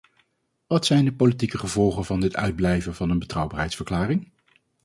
Wat zijn de politieke gevolgen van dit uitblijven van een betrouwbaarheidsverklaring?